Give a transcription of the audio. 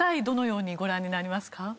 どのようにご覧になりますか？